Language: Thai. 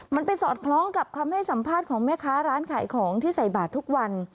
มันไปสอดคล้องกับคำให้สัมภาษณ์ของแม่ค้าร้านขายของที่ใส่บาททุกวัน